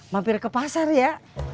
mampir ke pasar ya